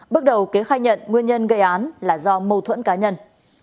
bước đầu kế khai nhận nguyên nhân gây án là do mâu thuẫn cá nhân